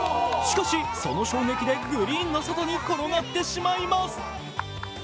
しかし、その衝撃でグリーンの外に転がってしまいます。